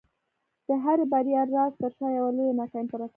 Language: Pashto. د هري بریا راز تر شا یوه لویه ناکامي پرته ده.